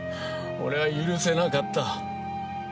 俺は許せなかった。